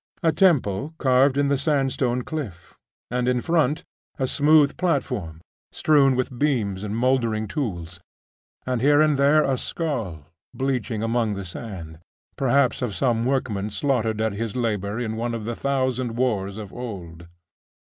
a temple carved in the sandstone cliff; and in front a smooth platform, strewn with beams and mouldering tools, and here and there a skull bleaching among the sand, perhaps of some workman slaughtered at his labour in one of the thousand wars of old.